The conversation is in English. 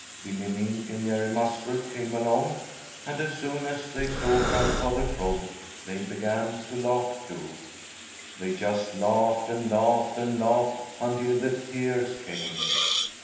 Billy Mink and Jerry Muskrat came along, and as soon as they saw Grandfather Frog, they began to laugh, too. They just laughed and laughed and laughed until the tears came.